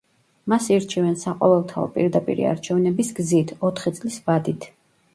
მას ირჩევენ საყოველთაო პირდაპირი არჩევნების გზით, ოთხი წლის ვადით.